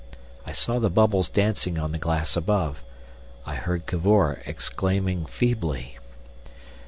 I saw the bubbles dancing on the glass above. I heard Cavor exclaiming feebly.